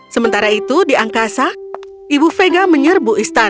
sementara itu di angkasa ibu vega menyerbu istana